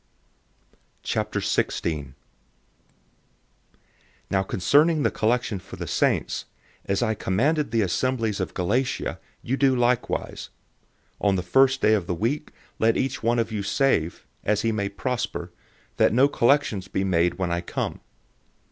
016:001 Now concerning the collection for the saints, as I commanded the assemblies of Galatia, you do likewise. 016:002 On the first day of the week, let each one of you save, as he may prosper, that no collections be made when I come.